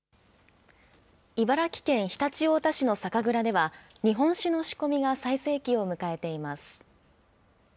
茨城県常陸太田市の酒蔵では日本酒の仕込みが最盛期を迎えています。